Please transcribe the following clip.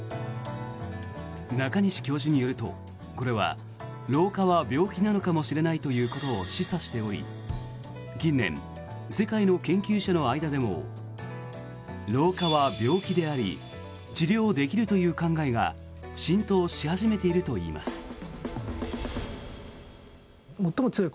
中西教授によるとこれは、老化は病気なのかもしれないということを示唆しており近年、世界の研究者の間でも老化は病気であり治療できるという考えが浸透し始めているといいます。